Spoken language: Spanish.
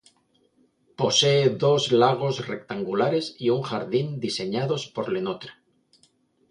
Posee dos lagos rectangulares y un jardín diseñados por Le Nôtre.